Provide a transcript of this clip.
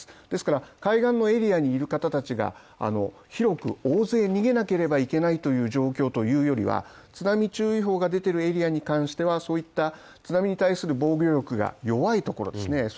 ですから、海岸のエリアにいる方たちが広く、大勢逃げなければいけないという状況というよりは、津波注意報が出ているエリアに関してはそういった津波に対する防御力が弱いところですね